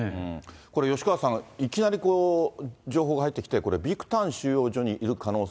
これ、吉川さん、いきなり情報が入ってきて、これ、ビクタン収容所にいる可能性。